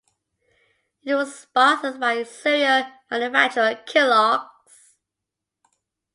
It was sponsored by cereal manufacturer Kellogg's.